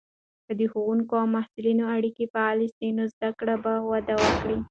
که د ښوونکو او محصلینو اړیکې فعاله سي، نو زده کړه به وده وکړي.